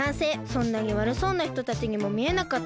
そんなにわるそうなひとたちにもみえなかったし。